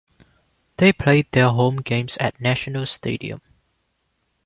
They played their home games at National Stadium.